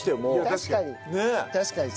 確かに。